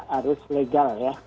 harus legal ya